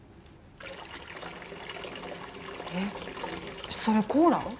えっそれコーラ？